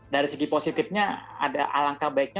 dari segi positifnya ada alangkah baiknya